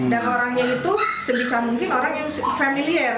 dan orangnya itu sebisa mungkin orang yang familiar